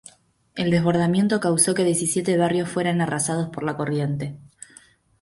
El desbordamiento causó que diecisiete barrios fueran arrasados por la corriente.